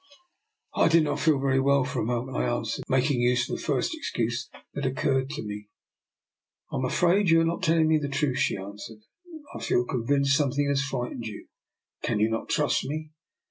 ''" I did not feel very well for a moment," I answered, making use of the first excuse that occurred to me. '* I am afraid you are not telling me the truth," she answered. I feel convinced something has frightened you. Can you not trust me?